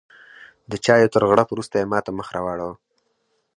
د چایو تر غوړپ وروسته یې ماته مخ راواړوه.